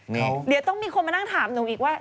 เดี๋ยวต้องมีคนมานั่งถามหนูอีกว่า